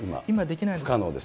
今できないです。